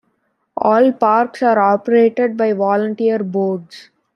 All parks are operated by volunteer boards.